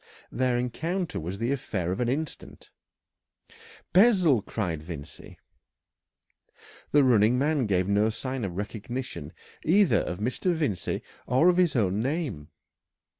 Their encounter was the affair of an instant. "Bessel!" cried Vincey. The running man gave no sign of recognition either of Mr. Vincey or of his own name.